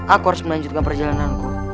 aku harus melanjutkan perjalananku